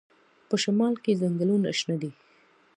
په شمال کې ځنګلونه شنه دي.